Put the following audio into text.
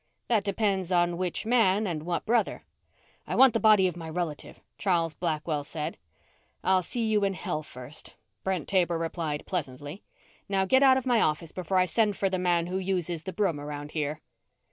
"That depends on which man and what brother." "I want the body of my relative," Charles Blackwell said. "I'll see you in hell first," Brent Taber replied pleasantly. "Now get out of my office before I send for the man who uses the broom around here."